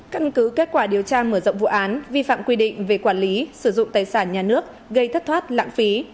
căn cứ kết quả điều tra mở rộng vụ án vi phạm quy định về quản lý sử dụng tài sản nhà nước gây thất thoát lãng phí